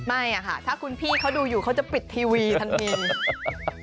ไม่ค่ะถ้าคุณพี่เขาดูอยู่เขาจะปิดทีวีทันที